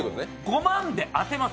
５万で当てます。